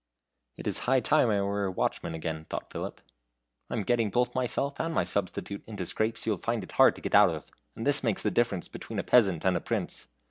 "It is high time I were a watchman again," thought Philip. "I am getting both myself and my substitute into scrapes he will find it hard to get out of and this makes the difference between a peasant and a prince.